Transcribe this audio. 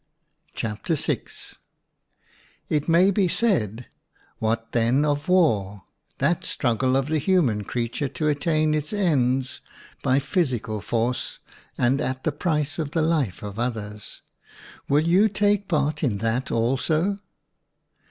VI But, it may be said : "What then of war, that struggle of the human crea ture to attain its ends by physical force and at the price of the life of others: will you take part in that also?"